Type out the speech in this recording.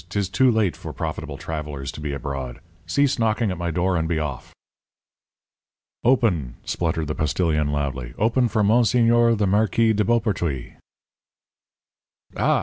'Tis too late for profitable travellers to be abroad. Cease knocking at my door, and be off." "Open!" spluttered the postilion, loudly; "open for Monsiegneur the Marquis de Beaupertuys." "Ah!"